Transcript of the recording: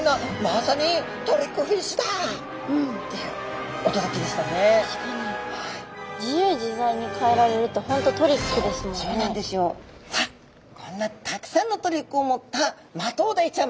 さあこんなたくさんのトリックを持ったマトウダイちゃん！